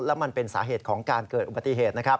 แล้วมันเป็นสาเหตุของการเกิดอุบัติเหตุนะครับ